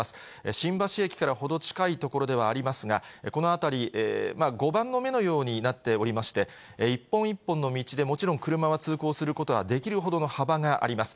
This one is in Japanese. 新橋駅から程近い所ではありますが、この辺り、碁盤の目のようになっておりまして、一本一本の道でもちろん、車は通行することはできるほどの幅があります。